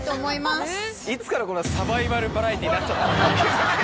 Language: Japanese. いつからこんなサバイバルバラエティーになっちゃった？